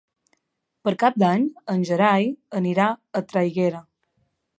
Per Cap d'Any en Gerai irà a Traiguera.